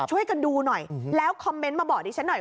ช่วยกันดูหน่อยแล้วคอมเมนต์มาบอกดิฉันหน่อย